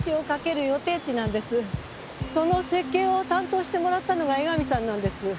その設計を担当してもらったのが江上さんなんです。